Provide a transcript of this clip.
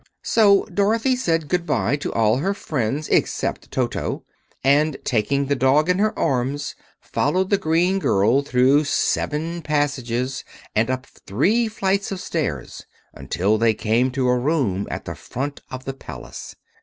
So Dorothy said good bye to all her friends except Toto, and taking the dog in her arms followed the green girl through seven passages and up three flights of stairs until they came to a room at the front of the Palace.